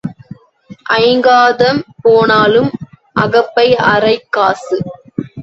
ஐங்காதம் போனாலும் அகப்பை அரைக் காசு.